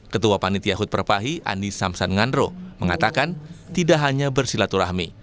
ketua panitia hut perpahi andi samsan ngandro mengatakan tidak hanya bersilaturahmi